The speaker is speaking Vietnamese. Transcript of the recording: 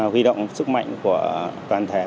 huy động sức mạnh của toàn thể